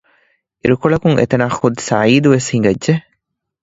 އިރުކޮޅަކުން އެތަނަށް ޚުދު ސަޢީދު ވެސް ހިނގައްޖެ